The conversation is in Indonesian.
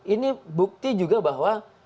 ini bukti juga bahwa